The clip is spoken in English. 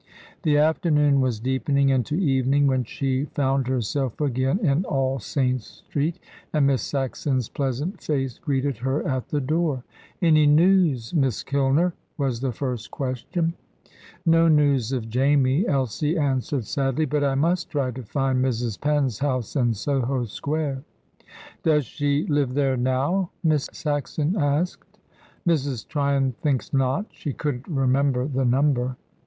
The afternoon was deepening into evening when she found herself again in All Saints' Street, and Miss Saxon's pleasant face greeted her at the door. "Any news, Miss Kilner?" was the first question. "No news of Jamie," Elsie answered sadly. "But I must try to find Mrs. Penn's house in Soho Square." "Does she live there now?" Miss Saxon asked. "Mrs. Tryon thinks not. She couldn't remember the number."